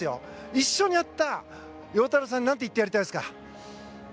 一緒にやった陽太郎さんになんて言ってやりたいですか？